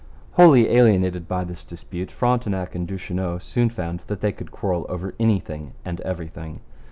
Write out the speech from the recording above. Wholly alienated by this dispute, Frontenac and Duchesneau soon found that they could quarrel over anything and everything.